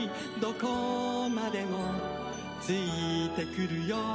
どこまでもついてくるよ」